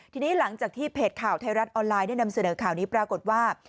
ทีนี้หลังจากที่เพจข่าวไทยรัฐออนไลน์ได้นำเสนอข่าวนี้ปรากฏว่า